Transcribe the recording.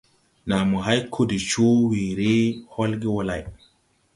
Naa mo hay ko de coo weere holge wo lay.